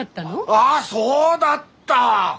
ああそうだった！